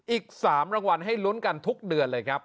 อีก๓รางวัลให้ลุ้นกันทุกเดือนเลยครับ